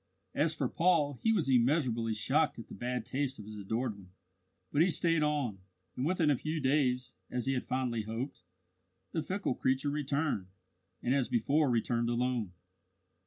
As for Paul, he was immeasurably shocked at the bad taste of his adored one; but he stayed on, and within a few days, as he had fondly hoped, the fickle creature returned and, as before, returned alone.